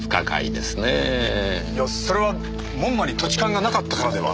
いやそれは門馬に土地勘がなかったからでは。